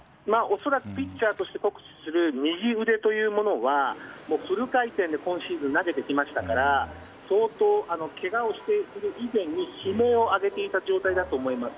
恐らくピッチャーとして酷使する右腕というものはフル回転で今シーズン投げてきましたから相当、けがをしている以前に悲鳴を上げていた状態だと思います。